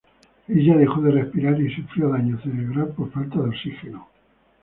Ella dejó de respirar y sufrió daño cerebral por falta de oxígeno.